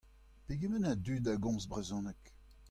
Pegement a dud a gomz brezhoneg ?